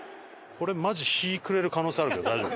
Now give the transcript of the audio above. マジ日暮れる可能性あるけど大丈夫？